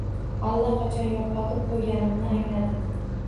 Allaqachon yo‘qotib qo‘yganimni angladim.